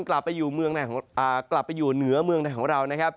กลับไปอยู่เหนือเมืองไทยของเรา